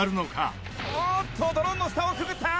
清水：「おっとドローンの下をくぐった！」